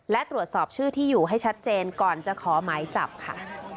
และตรวจสอบชื่อที่อยู่ให้ชัดเจนก่อนจะขอหมายจับค่ะ